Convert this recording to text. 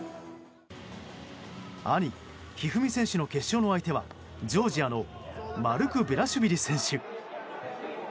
兄・一二三選手の決勝の相手はジョージアのマルクベラシュビリ選手。